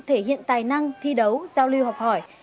thể hiện tài năng thi đấu giao lưu học hỏi